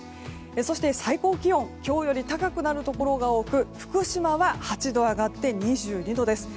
そして最高気温今日より高くなるところが多く福島は８度上がって２２度です。